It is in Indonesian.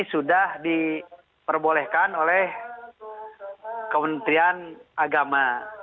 sudah diperbolehkan oleh kementerian agama